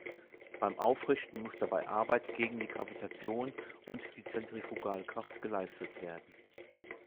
Beim Aufrichten muss dabei Arbeit gegen die Gravitation und die Zentrifugalkraft geleistet werden.